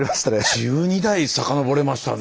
１２代遡れましたね。